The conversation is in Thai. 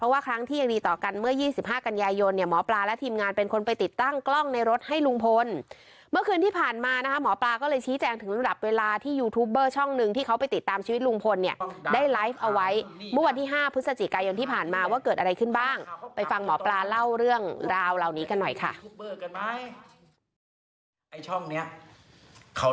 เวลาที่ยูทูปเบอร์ช่องนึงที่เขาไปติดตามชีวิตลุงพลเนี่ยได้ไลฟ์เอาไว้เมื่อวันที่๕พฤศจิกายนที่ผ่านมาว่าเกิดอะไรขึ้นบ้างไปฟังหมอปลาเล่าเรื่องราวเหล่านี้กันหน่อยค่ะ